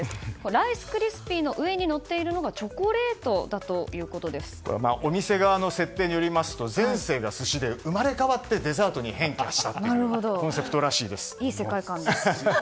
ライスクリスピーの上にのっているのがお店側の設定によりますと前世が寿司で、生まれ変わってデザートに変化したといういい世界観です。